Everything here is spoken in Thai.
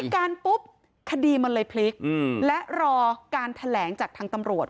กลับคำให้กันปุ๊บคดีมันเลยพลิกและรอการแถลงจากทางตำรวจ